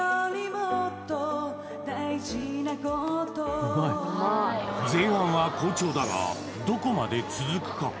おおうまい前半は好調だがどこまで続くか？